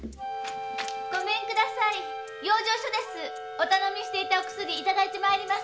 お頼みしていたお薬いただいて参ります。